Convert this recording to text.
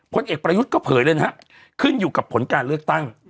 เอกประยุทธ์ก็เผยเลยนะครับขึ้นอยู่กับผลการเลือกตั้ง